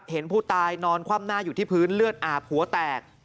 เห็นผู้ตายนอนคว่ำหน้าอยู่ที่พื้นเลือดอาบหัวแตก